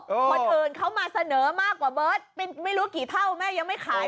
คนอื่นเขามาเสนอมากกว่าเบิร์ตไม่รู้กี่เท่าแม่ยังไม่ขาย